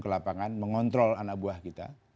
ke lapangan mengontrol anak buah kita